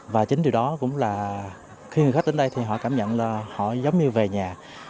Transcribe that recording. và chính điều đó cũng là khi người khách đến đây thì họ cảm nhận là họ giống như về nhà